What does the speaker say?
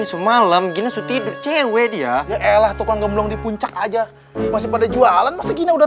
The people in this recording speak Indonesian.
semalam gini suci cewek dia elah tukang gemblong di puncak aja masih pada jualan masihnya udah